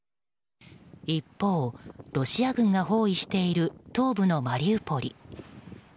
一方、ロシア軍が包囲している東部のマリウポリ。